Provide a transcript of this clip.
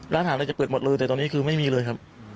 ร้านอาหารอะไรจะเปิดหมดเลยแต่ตอนนี้คือไม่มีเลยครับ